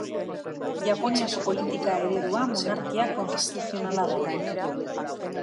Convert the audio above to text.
Japoniako politika eredua Monarkia konstituzionala da.